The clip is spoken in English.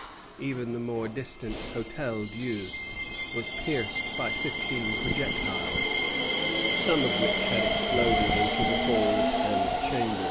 Even the more distant Hôtel Dieu was pierced by fifteen projectiles, some of which had exploded in the halls and chambers.